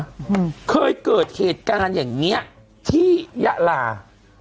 อืมเคยเกิดเหตุการณ์อย่างเงี้ยที่ยะลา